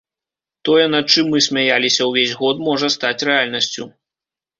Тое, над чым мы смяяліся ўвесь год, можа стаць рэальнасцю.